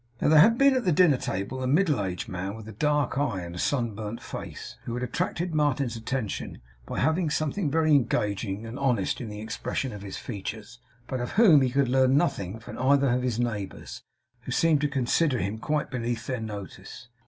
Now, there had been at the dinner table a middle aged man with a dark eye and a sunburnt face, who had attracted Martin's attention by having something very engaging and honest in the expression of his features; but of whom he could learn nothing from either of his neighbours, who seemed to consider him quite beneath their notice.